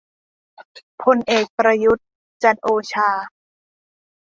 พลเอก ประยุทธ์ จันทร์โอชา